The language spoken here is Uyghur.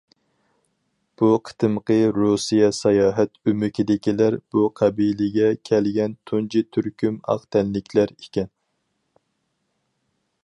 بۇ قېتىمقى رۇسىيە ساياھەت ئۆمىكىدىكىلەر بۇ قەبىلىگە كەلگەن تۇنجى تۈركۈم ئاق تەنلىكلەر ئىكەن.